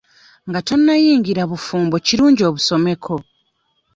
Nga tonnayingira bufumbo kirungi obusomeko.